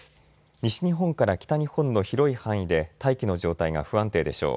西日本から北日本の広い範囲で大気の状態が不安定でしょう。